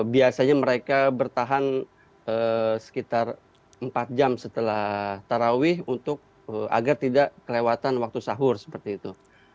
biasanya mereka bertahan sekitar empat jam setelah tarawih agar tidak kelewatan waktu sahur seperti itu